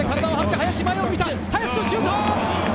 林のシュート！